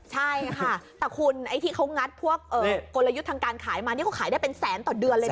ใช่ค่ะแต่คุณไอ้ที่เขางัดพวกกลยุทธ์ทางการขายมานี่เขาขายได้เป็นแสนต่อเดือนเลยนะ